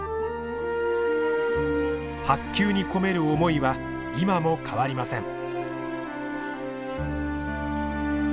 白球に込める思いは今も変わりません。